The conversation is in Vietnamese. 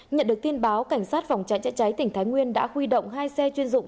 nhận được tin báo cảnh sát phòng cháy chữa cháy tỉnh thái nguyên đã huy động hai xe chuyên dụng